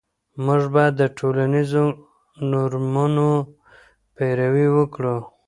موږ باید د ټولنیزو نورمونو پیروي وکړو.